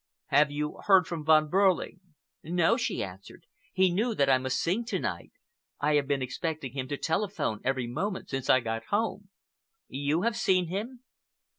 "Have you heard from Von Behrling?" "No," she answered. "He knew that I must sing to night. I have been expecting him to telephone every moment since I got home. You have seen him?"